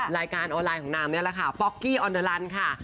รายการออนไลน์ของนางนี่แหละค่ะป๊อกกี้ออนเดอรันค่ะ